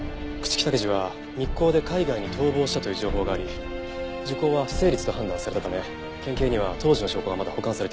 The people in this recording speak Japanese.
朽木武二は密航で海外に逃亡したという情報があり時効は不成立と判断されたため県警には当時の証拠がまだ保管されています。